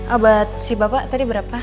obat si bapak tadi berapa